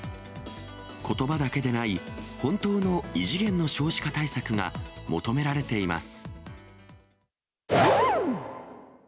ことばだけでない本当の異次元の少子化対策が求められています。